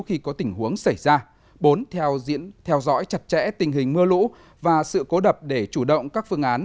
khi có tình huống xảy ra bốn theo dõi chặt chẽ tình hình mưa lũ và sự cố đập để chủ động các phương án